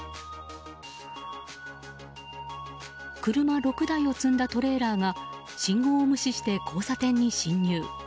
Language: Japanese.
車６台を積んだトレーラーが信号を無視して交差点に進入。